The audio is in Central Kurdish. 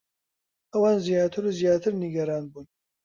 ئەوان زیاتر و زیاتر نیگەران بوون.